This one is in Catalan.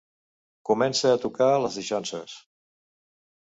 Comença a tocar les daixonses.